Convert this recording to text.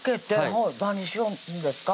何しよんですか？